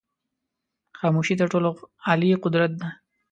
خاموشی تر ټولو عالي قدرت دی.